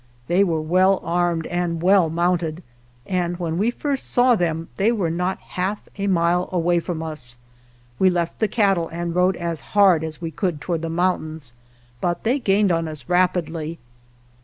They were well armed and well mounted, and when we first saw them they were not half a mile away from us. We left the cattle and rode as hard as we could toward the mountains, but they gained on us rapidly.